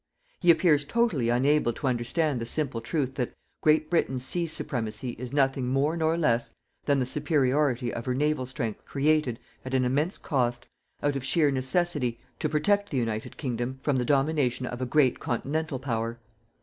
He appears totally unable to understand the simple truth that Great Britain's sea supremacy is nothing more nor less than the superiority of her naval strength created, at an immense cost, out of sheer necessity, to protect the United Kingdom from the domination of a great continental power.